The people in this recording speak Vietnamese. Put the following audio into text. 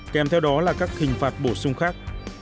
kèm theo đó là các hình phạt bổ sung khác